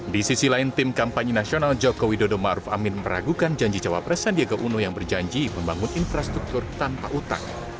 di sisi lain tim kampanye nasional jokowi dodo maruf amin meragukan janji cawapres sandiaga uno yang berjanji membangun infrastruktur tanpa utang